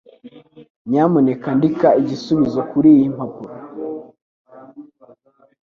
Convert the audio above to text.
Nyamuneka andika igisubizo kuriyi mpapuro.